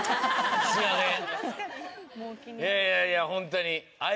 いやいやホントに。